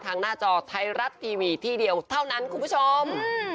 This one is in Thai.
หน้าจอไทยรัฐทีวีที่เดียวเท่านั้นคุณผู้ชม